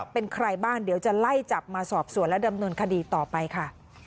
เป็นใครบ้างเดี๋ยวจะไล่จับมาสอบสวนและดำเนินคดีต่อไปค่ะ